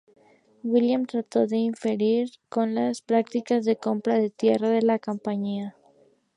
Williams trató de interferir con las prácticas de compra de tierra de la compañía.